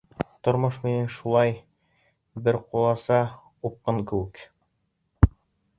Тормошом минең шулай, бер ҡуласа, упҡын кеүек.